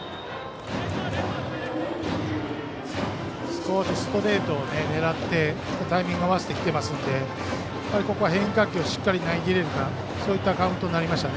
少しストレートを狙ってタイミングを合わせてきてますのでここは変化球をしっかり投げきれるかそういったカウントになりました。